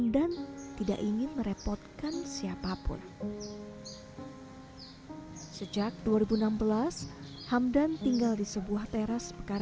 yang masih bisa kerja